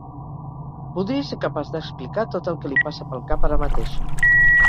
Voldria ser capaç d'explicar tot el que li passa pel cap ara mateix.